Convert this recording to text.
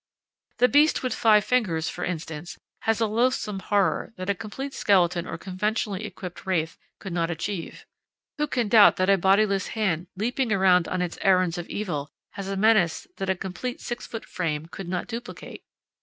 The Beast with Five Fingers, for instance, has a loathsome horror that a complete skeleton or conventionally equipped wraith could not achieve. Who can doubt that a bodiless hand leaping around on its errands of evil has a menace that a complete six foot frame could not duplicate?